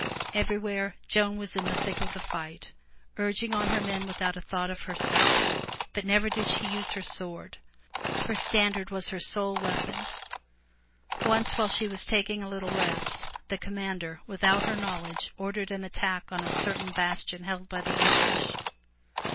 Everywhere, Joan was in the thick of the fight, urging on her men without a thought of herself. But never did she use her sword; her standard was her sole weapon. Once while she was taking a little rest, the com mander, without her knowledge, ordered an attack on a certain bastion held by the English.